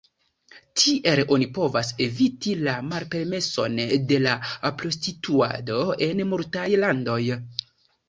Tiel oni povas eviti la malpermeson de la prostituado en multaj landoj.